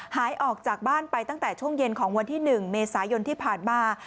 หายออกจากบ้านไปตั้งแต่ช่วงเย็นของวันที่๑เมษายนที่ผ่านมา